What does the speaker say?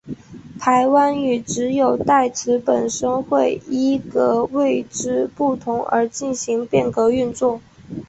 排湾语只有代词本身会依格位之不同而进行变格运作。